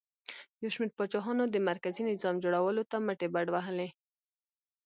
یو شمېر پاچاهانو د مرکزي نظام جوړولو ته مټې بډ وهلې